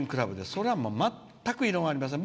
それは、全く異論はありません。